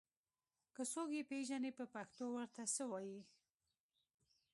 که څوک يې پېژني په پښتو ور ته څه وايي